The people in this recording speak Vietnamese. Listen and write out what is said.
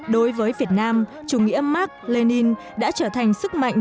đối với việt nam chủ nghĩa mark lenin đã trở thành sức mạnh